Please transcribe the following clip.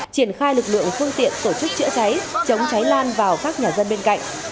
triển khai lực lượng phương tiện tổ chức chữa cháy chống cháy lan vào các nhà dân bên cạnh